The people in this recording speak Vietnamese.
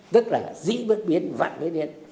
tức là dĩ bất biến vặn với điện